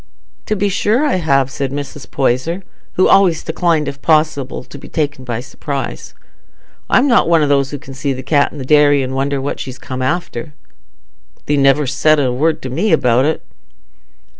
"To be sure I have," said Mrs. Poyser, who always declined, if possible, to be taken by surprise. "I'm not one o' those as can see the cat i' the dairy an' wonder what she's come after." "Thee never saidst a word to me about it."